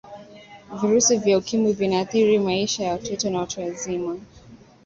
virusi vya ukimwi vinaathiri maisha ya watoto na watu wazima